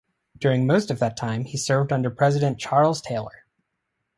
During most of that time he served under President Charles Taylor.